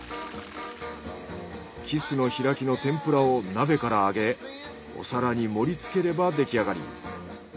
キスの開きの天ぷらを鍋から上げお皿に盛り付ければ出来上がり。